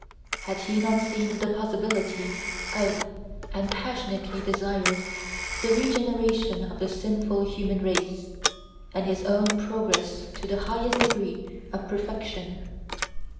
Had he not seen the possibility of, and passionately desired, the regeneration of the sinful human race, and his own progress to the highest degree of perfection?